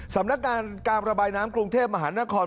สำนักงานการระบายน้ำกรุงเทพมหานคร